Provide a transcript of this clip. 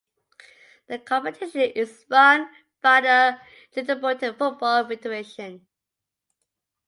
The competition is run by the Djiboutian Football Federation.